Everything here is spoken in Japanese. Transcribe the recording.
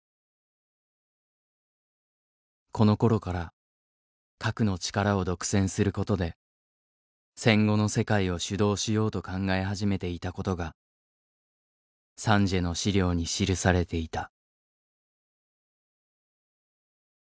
このころから核の力を独占することで戦後の世界を主導しようと考え始めていたことがサンジエの資料に記されていた。